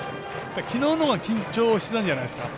きのうのほうが緊張してたんじゃないですか。